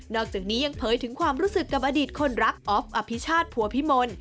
อกจากนี้ยังเผยถึงความรู้สึกกับอดีตคนรักออฟอภิชาติภัวพิมล